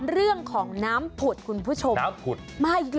เรื่องของน้ำผุดคุณผู้ชม